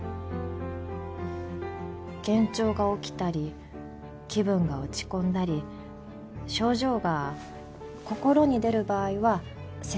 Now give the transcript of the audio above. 幻聴が起きたり気分が落ち込んだり症状が心に出る場合は精神科になります。